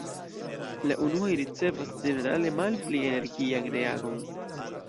La unuaj ricevas ĝenerale malpli energian reagon.